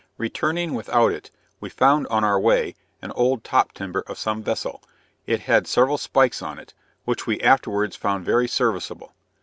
Returning without it, we found on our way an old top timber of some vessel; it had several spikes on it, which we afterwards found very serviceable.